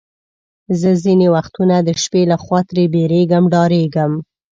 زه ځینې وختونه د شپې له خوا ترې بیریږم، ډارېږم.